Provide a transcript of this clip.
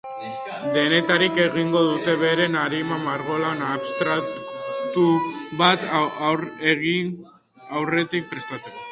Denetarik egingo dute beren arima margolan abstraktu bat egin aurretik prestatzeko.